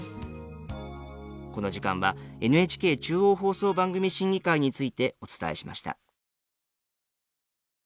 この時間はＮＨＫ中央放送番組審議会についてお伝えしました。